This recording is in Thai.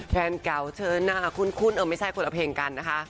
แฟนเก่าเชิญหน้าคุ้นเออไม่ใช่คนละเพลงกันนะคะ